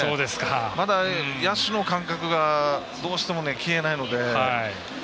まだ野手の感覚がどうしても消えないので。